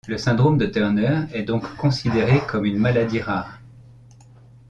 Le syndrome de Turner est donc considéré comme une maladie rare.